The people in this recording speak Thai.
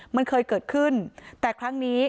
มันเคยเกิดขึ้นแต่ครั้งนี้